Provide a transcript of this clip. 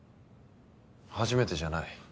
初めてじゃない。